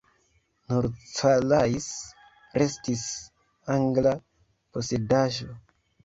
Nur Calais restis angla posedaĵo.